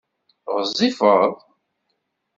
Ɣezzifeḍ?